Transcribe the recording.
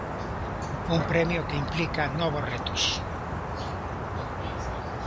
Un premio que implica novos retos.